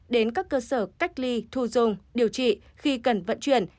đến các cơ sở cách ly thu dung điều trị khi cần vận chuyển